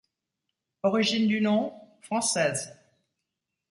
Origine du nom : française.